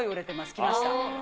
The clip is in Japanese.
きました。